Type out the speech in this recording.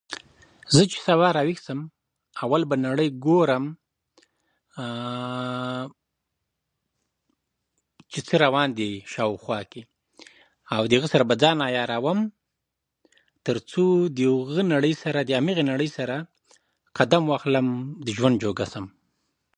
زه چې سبا را ویښ شم، اول به نړۍ ګورم. چې څه روان دي شاو خوا کې، د هغه سره به ځان عیاروم، تر څو د اغه نړۍ سره، امغې نړۍ سره قدم واخلم، ژوند جوګه شم.